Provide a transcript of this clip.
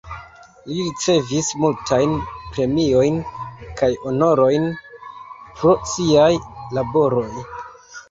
Li ricevis multajn premiojn kaj honorojn pro siaj laboroj.